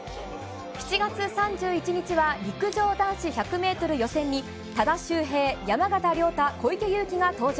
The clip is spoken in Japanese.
７月３１日は陸上男子１００メートル予選に、多田修平、山縣亮太、こいけゆうきが登場。